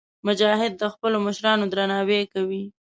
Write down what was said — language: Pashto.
مجاهد د خپلو مشرانو درناوی کوي.